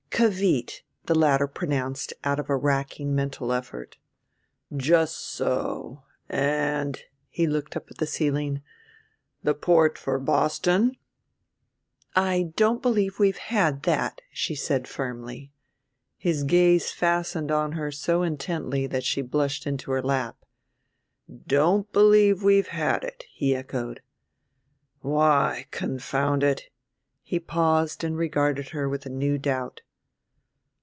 "Cavite," the latter pronounced out of a racking mental effort. "Just so, and " he looked up at the ceiling, "the port for Boston?" "I don't believe we've had that," she said firmly. His gaze fastened on her so intently that she blushed into her lap. "Don't believe we've had it," he echoed. "Why, confound it " he paused and regarded her with a new doubt.